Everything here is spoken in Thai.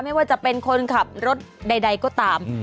ไม่ว่าจะเป็นคนขับรถใดก็ตาม